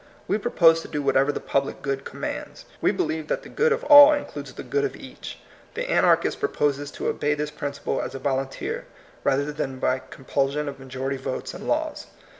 We propose to do whatever the public good commands. We believe that the good of all includes the good of each. The anarchist proposes to obey this principle as a volunteer, rather than by compulsion of majority votes and laws.